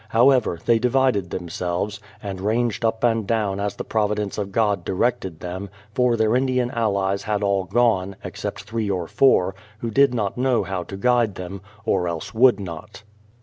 How ever, they divided themselves, and ranged up and down as the providence of God directed them, for their Indian allies had all gone, except three or four, who did not know how to guide them, or else would not.